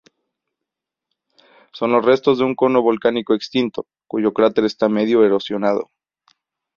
Son los restos de un cono volcánico extinto, cuyo cráter está medio erosionado.